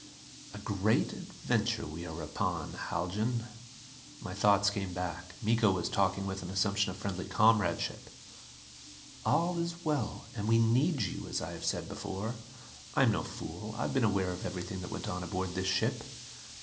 "A great adventure we are upon, Haljan." My thoughts came back. Miko was talking with an assumption of friendly comradeship. "All is well and we need you, as I have said before. I am no fool. I have been aware of everything that went on aboard this ship.